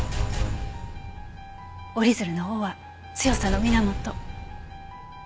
折り鶴の尾は強さの源。